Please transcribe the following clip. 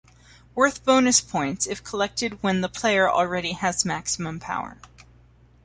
Worth bonus points if collected when the player already has maximum power.